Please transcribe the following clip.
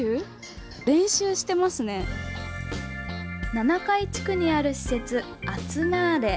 七会地区にある施設「アツマーレ」。